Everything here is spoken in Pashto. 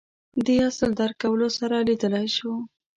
دې اصل درک کولو سره لیدلای شو